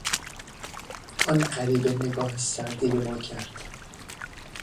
آن غریبه نگاه سردی به ما کرد.